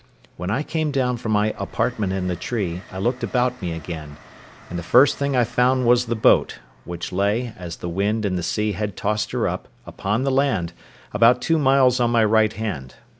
When I came down from my apartment in the tree, I looked about me again, and the first thing I found was the boat, which lay, as the wind and the sea had tossed her up, upon the land, about two miles on my right hand.